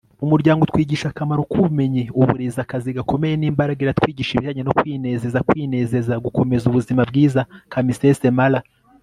umuryango utwigisha akamaro k'ubumenyi, uburezi, akazi gakomeye n'imbaraga. iratwigisha ibijyanye no kwinezeza, kwinezeza, gukomeza ubuzima bwiza. - kamisese mara